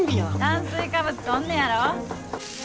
炭水化物とんねやろ。